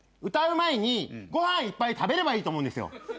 歌う前にご飯いっぱい食べればいいと思うんですよ。